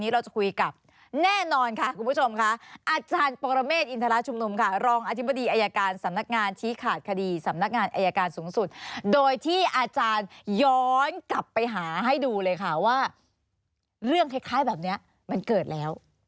เรื่องคล้ายแบบนี้มันเกิดแล้ว